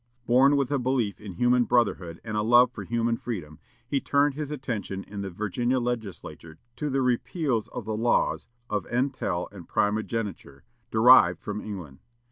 Born with a belief in human brotherhood and a love for human freedom, he turned his attention in the Virginia Legislature to the repeal of the laws of entail and primogeniture, derived from England.